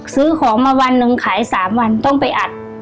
ซื้อของมาวันหนึ่งขาย๓วันต้องไปอัด